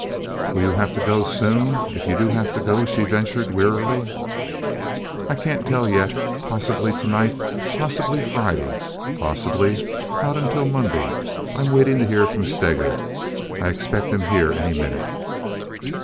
"Will you have to go soon, if you do have to go?" she ventured, wearily. "I can't tell yet. Possibly to night. Possibly Friday. Possibly not until Monday. I'm waiting to hear from Steger. I expect him here any minute."